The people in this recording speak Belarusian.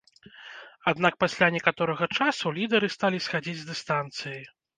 Аднак пасля некаторага часу, лідары сталі схадзіць з дыстанцыі.